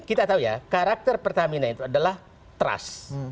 kita tahu ya karakter pertamina itu adalah trust